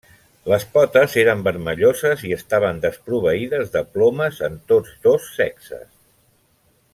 Les potes eren vermelloses i estaven desproveïdes de plomes en tots dos sexes.